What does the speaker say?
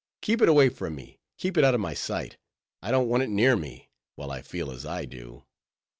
"Keep it away from me—keep it out of my sight—I don't want it near me, while I feel as I do.